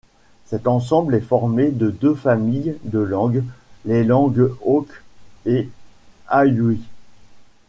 Cet ensemble est formée de deux familles de langues, les langues ok et awyu.